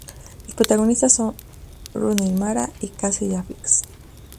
Sus protagonistas son Rooney Mara y Casey Affleck.